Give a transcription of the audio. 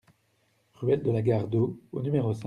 Ruelle de la Gare d'Eau au numéro cinq